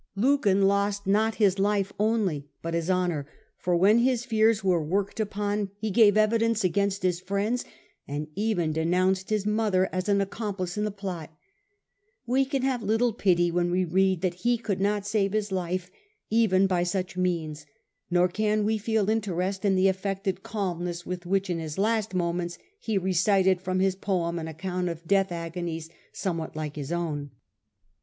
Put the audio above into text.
Lucan lost not his life only, but his honour, for when his fears were worked unon 1 18 The Earlier Empire. a.d. 54 6S. he gave evidence against his friends, and even denounced ^ his mother as an accomplice in the plot bSthHfeand We Can have little pity when we read that honour. could not save his life even by such means, nor can we feel interest in the affected calmness with which, in his last moments, he recited from his poem an account of death agonies somewhat like his own.